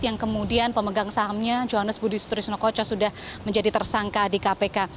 yang kemudian pemegang sahamnya johannes budi sutrisnokoco sudah menjadi tersangka di kpk